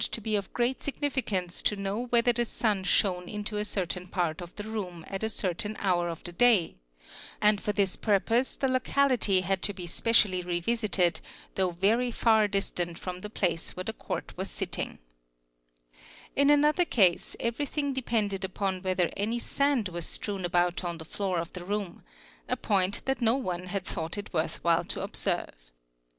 Jn one case it turned out to be of great signi tance to know whether the sun shone into a certain part of the room at ertain hour of the day, and for this purpose the locality had to be cially revisited though very far distant from the place where the court NE RS GON, AD nc UOT PM DER ee 136 INSPECTION OF LOCALITIES was sitting. In another case everything depended upon whether any sand was strewn about on the floor of the room, a point that no one had— thought it worth while to observe.